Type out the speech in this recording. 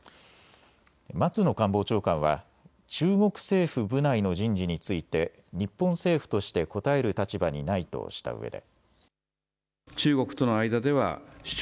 松野官房長官は中国政府部内の人事について日本政府として答える立場にないとしたうえで。